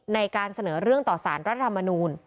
ในการเสนอเรื่องต่อสารรัฐธรรมนูล